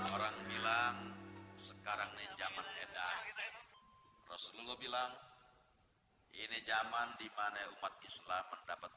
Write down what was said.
orang bilang sekarang nih zaman edar rasulullah bilang ini zaman dimana umat islam mendapat